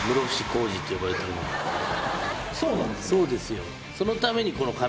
そうなんですね。